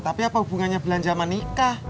tapi apa hubungannya belanja sama nikah